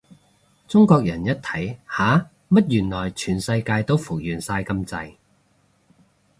中國人一睇，吓？乜原來全世界都復原晒咁滯？